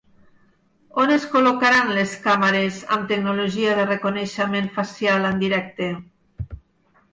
On es col·locaran les càmeres amb tecnologia de reconeixement facial en directe?